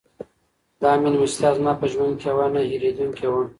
دا مېلمستیا زما په ژوند کې یوه نه هېرېدونکې وه.